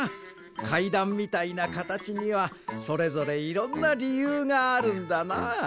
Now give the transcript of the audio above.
かいだんみたいなかたちにはそれぞれいろんなりゆうがあるんだな。